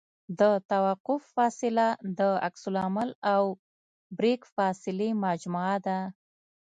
د توقف فاصله د عکس العمل او بریک فاصلې مجموعه ده